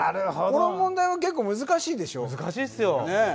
この問題は結構難しいでしょう。